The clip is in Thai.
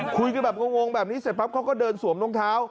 คุยกันแบบงงแบบนี้เสร็จปั๊บเขาก็เดินสวมรองเท้า